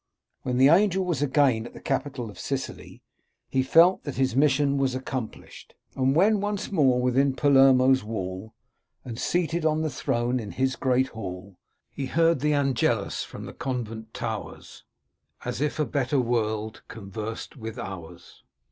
When the angel was again at the capital of Sicily, he felt that his mission was accomplished. And when once more within Palermo's wall, And, seated on the throne in his great hall. He heard the Angelus from the convent towers, As if a better world conversed with ours.